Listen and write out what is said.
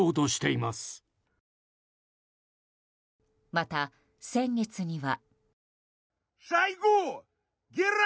また、先月には。